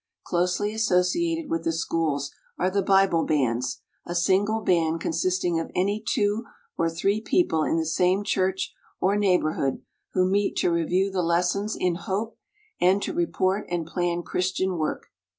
Closely associated with the Schools are the Bible Bands, a single band consist ing of any two or three people in the same church or neighborhood who meet to review the lessons in Hope and to report and plan Christian work.